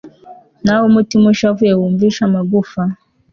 naho umutima ushavuye wumisha amagufa